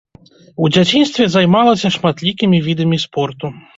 У дзяцінстве займалася шматлікімі відамі спорту.